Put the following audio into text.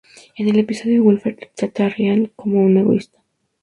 En el episodio Wilfred trata a Ryan como un egoísta.